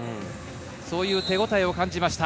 そういう手応えを感じました。